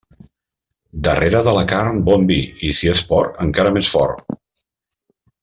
Darrere de la carn, bon vi, i si és porc, encara més fort.